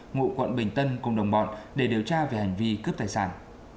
ngụ quận bình tân cùng đồng bọn để điều tra về hành vi cướp tài sản